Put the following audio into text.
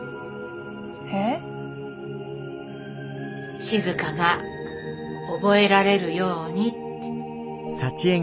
えっ？静が覚えられるようにって。